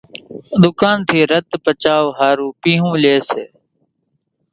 ڌُوڪانين ٿي رڌ پچاءُ ۿارُو پيۿون لئي سي،